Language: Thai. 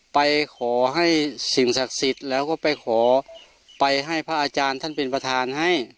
ไปขอให้สิ่งศักดิ์สิทธิ์แล้วก็ไปขอไปให้พระอาจารย์ท่านเป็นประธานให้